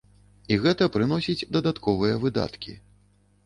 І гэта прыносіць дадатковыя выдаткі.